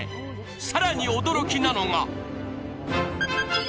更に驚きなのが！